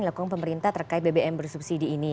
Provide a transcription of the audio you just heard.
dilakukan pemerintah terkait bbm bersubsidi ini